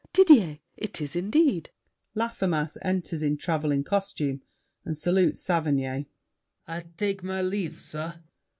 Didier! It is indeed! LAFFEMAS (enters in traveling costume, and salutes Saverny). I take my leave, sir!